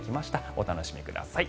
お楽しみください。